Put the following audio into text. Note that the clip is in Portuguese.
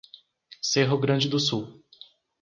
Cerro Grande do Sul